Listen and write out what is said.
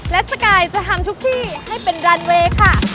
และสกายจะทำทุกที่ให้เป็นรันเวย์ค่ะ